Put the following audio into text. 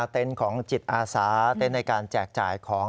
ของจิตอาสาเต็นต์ในการแจกจ่ายของ